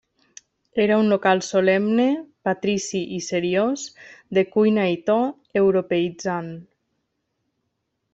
Era un local solemne, patrici i seriós, de cuina i to europeïtzant.